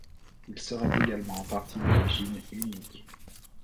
Il serait également en partie d'origine hunnique.